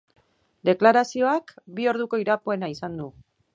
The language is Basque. Deklarazioak bi orduko iraupena izan du.